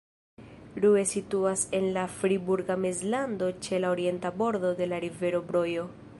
Rue situas en la Friburga Mezlando ĉe la orienta bordo de la rivero Brojo.